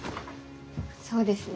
そうですね。